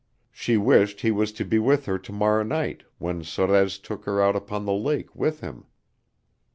She wished he was to be with her to morrow night when Sorez took her out upon the lake with him.